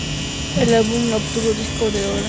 El álbum obtuvo un disco de oro.